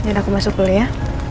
ya udah aku masuk dulu ya